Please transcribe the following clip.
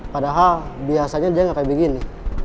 padahal biasanya dia nggak kayak begini